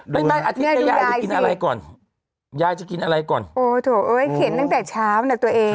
ดูยายสิยายจะกินอะไรก่อนดูยายสิโอ้โธเห็นตั้งแต่เช้านะตัวเอง